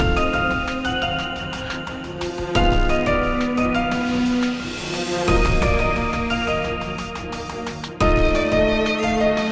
kamu harus atuh